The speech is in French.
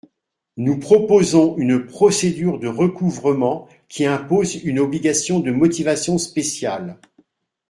Nous proposons une procédure de recouvrement qui impose une obligation de motivation spéciale.